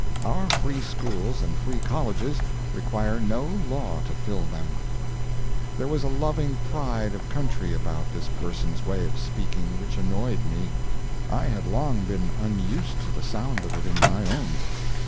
Our free schools and free colleges require no law to fill them." There was a loving pride of country about this person's way of speaking which annoyed me. I had long been unused to the sound of it in my own.